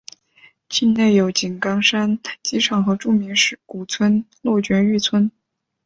境内有井冈山机场和著名古村落爵誉村。